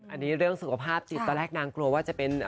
อันนี้เรื่องสุขภาพจิตตอนแรกนางกลัวว่าจะเป็น